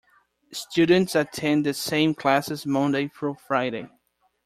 Students attend the same classes Monday through Friday.